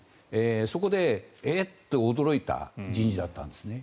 そこで、え？って驚いた人事だったんですね。